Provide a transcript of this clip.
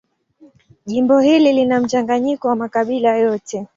Jimbo hili lina mchanganyiko wa makabila yote.